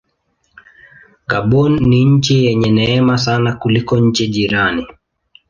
Gabon ni nchi yenye neema sana kuliko nchi jirani.